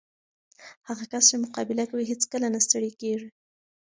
هغه کس چې مقابله کوي، هیڅکله نه ستړی کېږي.